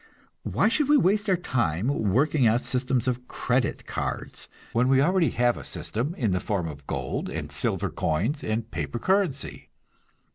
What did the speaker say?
Why should we waste our time working out systems of "credit cards," when we already have a system in the form of gold and silver coins and paper currency?